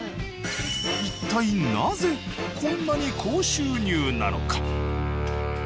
一体なぜこんなに高収入なのか？